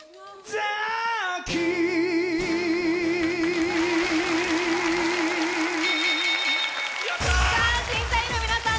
咲き審査員の皆さん